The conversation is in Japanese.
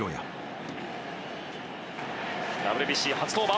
ＷＢＣ初登板。